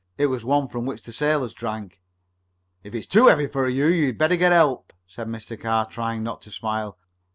It was one from which the sailors drank. "If it's too heavy for you, you'd better get help," said Mr. Carr, trying not to smile.